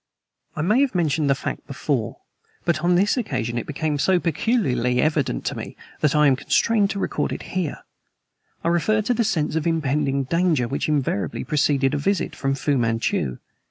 I may have mentioned the fact before, but on this occasion it became so peculiarly evident to me that I am constrained to record it here I refer to the sense of impending danger which invariably preceded a visit from Fu Manchu.